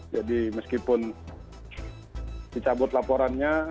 jadi meskipun dicabut laporannya